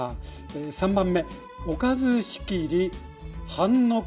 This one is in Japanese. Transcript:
３番目「おかず仕切り」「半のっけ」。